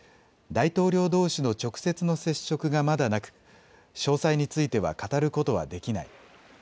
大統領どうしの直接の接触がまだなく詳細については語ることはできない。